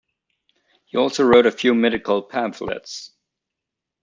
He also wrote a few medical pamphlets.